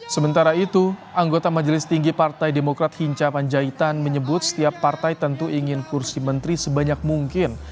sementara itu anggota majelis tinggi partai demokrat hinca panjaitan menyebut setiap partai tentu ingin kursi menteri sebanyak mungkin